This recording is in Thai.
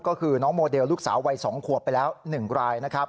ก็คือน้องโมเดลลูกสาววัย๒ขัวไปแล้ว๑ราย